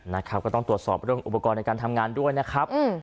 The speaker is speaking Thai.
นะครับก็ต้องตรวจสอบเรื่องอุปกรณ์ในการทำงานด้วยนะครับ